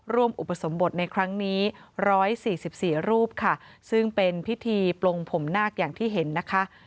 ร่วมอุปสรมบทในครั้งนี้ร้อยสี่สิบสี่รูปค่ะซึ่งเป็นพิธีปลงผมนาคอย่างที่เห็นนะคะ